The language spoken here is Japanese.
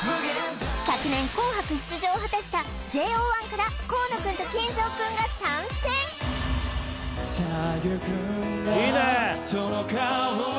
昨年紅白出場を果たしたＪＯ１から河野くんと金城くんが参戦いいね！